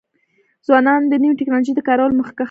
ځوانان د نوې ټکنالوژۍ د کارولو مخکښان دي.